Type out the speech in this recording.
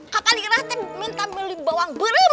kakak irati minta beli bawang bareng